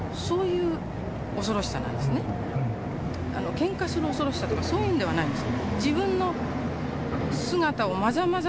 ケンカする恐ろしさとかそういうんではないです。